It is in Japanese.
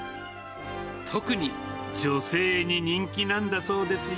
特に女性に人気なんだそうですよ。